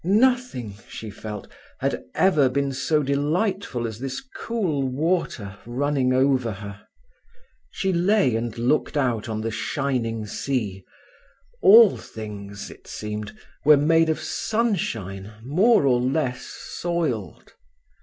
Nothing, she felt, had ever been so delightful as this cool water running over her. She lay and looked out on the shining sea. All things, it seemed, were made of sunshine more or less soiled.